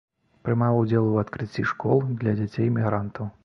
Прымаў удзел у адкрыцці школ для дзяцей мігрантаў.